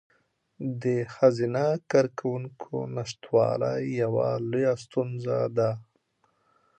د ښځینه کارکوونکو نشتوالی یوه لویه ستونزه ده.